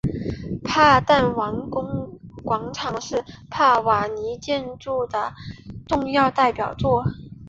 帕坦王宫广场是尼瓦尔建筑的重要代表作。